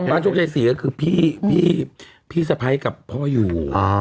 บ้านชุกใจเสียคือพี่พี่สะพ้ายกับพ่ออยู่